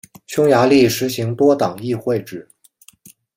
匈牙利实行多党议会制。